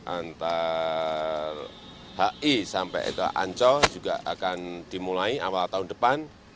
antara hi sampai ancol juga akan dimulai awal tahun depan